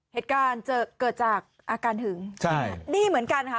เหตุการณ์จะเกิดจากอาการหึงใช่นี่เหมือนกันค่ะ